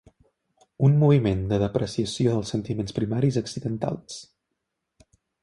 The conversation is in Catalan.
Un moviment de depreciació dels sentiments primaris accidentals.